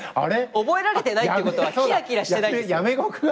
覚えられてないってことはキラキラしてないんですよ。